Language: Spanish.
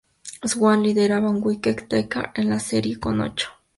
Swann lideraba el "wicket-taker" en la serie, con ocho.